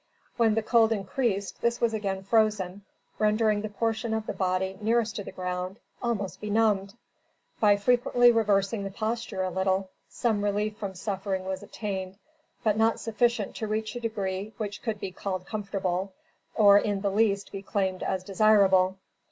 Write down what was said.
When the cold increased, this was again frozen, rendering the portion of the body nearest to the ground almost benumbed. By frequently reversing the posture a little, some relief from suffering was obtained, but not sufficient to reach a degree which could be called comfortable, or, in the least, be claimed as desirable.